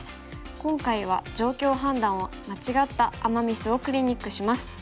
今回は状況判断を間違ったアマ・ミスをクリニックします。